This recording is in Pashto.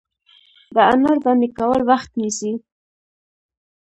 د انار دانې کول وخت نیسي.